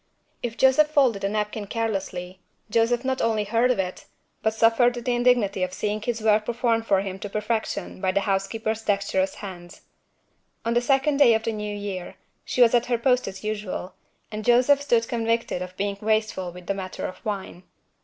If Joseph folded a napkin carelessly, Joseph not only heard of it, but suffered the indignity of seeing his work performed for him to perfection by the housekeeper's dexterous hands. On the second day of the New Year, she was at her post as usual, and Joseph stood convicted of being wasteful in the matter of wine.